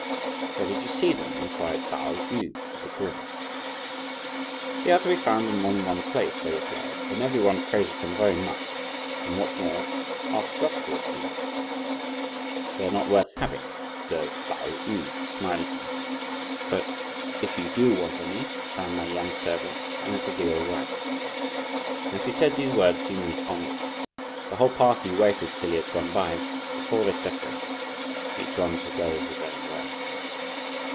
"Where did you see them?" inquired Pao yü, with a grin. "They are to be found in more than one place," they replied, "and every one praises them very much, and what's more, asks us for a few." "They are not worth having," observed Pao yü smilingly; "but if you do want any, tell my young servants and it will be all right." As he said these words, he moved onwards. The whole party waited till he had gone by, before they separated, each one to go his own way.